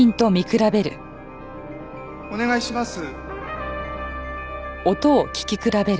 お願いします。